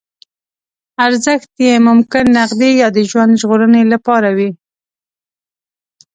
ارزښت یې ممکن نغدي یا د ژوند ژغورنې لپاره وي.